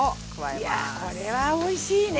いやこれはおいしいね。